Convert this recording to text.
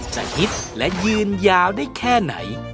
ฮิตและยืนยาวได้แค่ไหน